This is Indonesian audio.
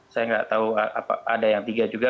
saya nggak tahu ada yang tiga juga